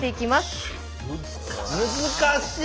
難しい。